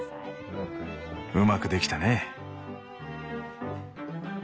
うまくできたね。